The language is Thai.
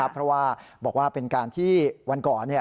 เพราะว่าบอกว่าเป็นการที่วันก่อน